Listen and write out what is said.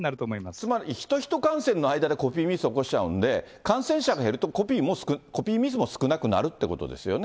つまり、ヒト・ヒト感染の間でコピーミスを起こしちゃうんで、感染者が減ると、コピーミスも少なくなるってことですよね？